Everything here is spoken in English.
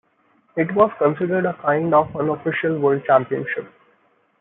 It was considered a kind of unofficial World Championship.